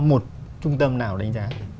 một trung tâm nào đánh giá